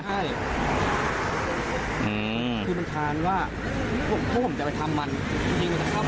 ใช่อืมคือมันทานว่าพวกผมจะไปทำมันจริงจริงจะเข้าไปทำมัน